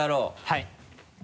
はい。